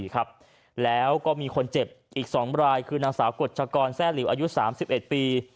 ครับแล้วก็มีคนเจ็บอีกสองรายคือนางสาวกฎชกรแซ่หลิวอายุสามสิบเอ็ดปี